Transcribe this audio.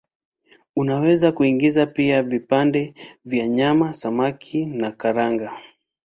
Unaweza kuingiza pia vipande vya nyama, samaki na karanga.